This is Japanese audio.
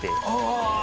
ああ！